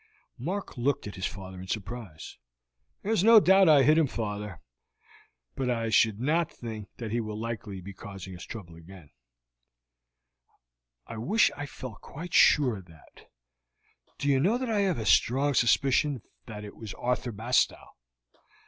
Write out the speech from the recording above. Mark looked at his father in surprise. "There is no doubt I hit him, father," he said; "but I should not think that he will be likely to trouble us again." "I wish I felt quite sure of that. Do you know that I have a strong suspicion that it was Arthur Bastow?"